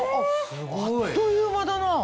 あっという間だな！